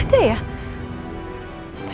tidak ada apa apa